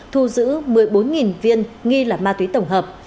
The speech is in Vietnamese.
thu giữ một mươi bốn viên nghi là ma túy tổng hợp